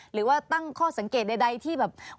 หรือว่าตั้งข้อสังเกตใดที่แบบ